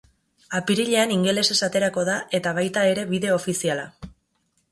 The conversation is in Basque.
Apirilean ingelesez aterako da eta baita ere bideo ofiziala.